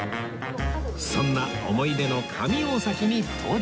そんな思い出の上大崎に到着です